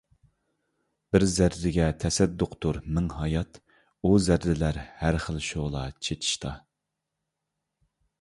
بىر زەررىگە تەسەددۇقتۇر مىڭ ھايات، ئۇ زەررىلەر سەرخىل شولا چېچىشتا ...